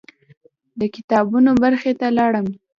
د کتابونو برخې ته لاړم.